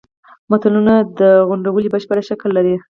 متلونه د غونډلې بشپړ شکل لري